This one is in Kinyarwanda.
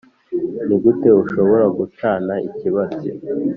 nigute ushobora gucana ikibatsi